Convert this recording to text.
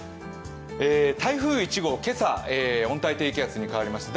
台風１号、今朝、温帯低気圧に変わりました。